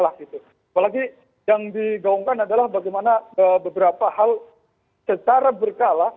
apalagi yang digaungkan adalah bagaimana beberapa hal secara berkala